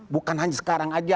bukan hanya sekarang aja